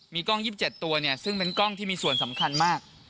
มีกล้อง๒๗ตัวซึ่งเป็นกล้องที่มีส่วนสำคัญมาก